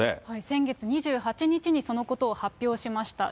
先月２８日にそのことを発表しました。